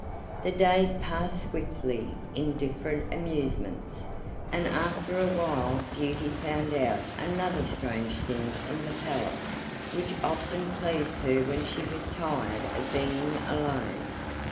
The days passed swiftly in different amusements, and after a while Beauty found out another strange thing in the palace, which often pleased her when she was tired of being alone.